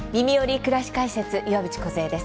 くらし解説」岩渕梢です。